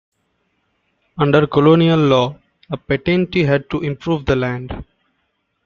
Under colonial law, a patentee had to improve the land.